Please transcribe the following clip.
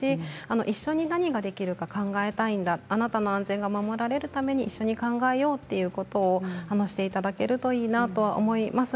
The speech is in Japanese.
一緒に何ができるか考えたいんだあなたの安全を守るため何ができるか考えようということを話していただけるといいと思います